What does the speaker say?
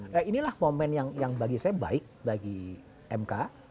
nah inilah momen yang bagi saya baik bagi mk